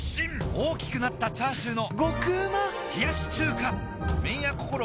大きくなったチャーシューの麺屋こころ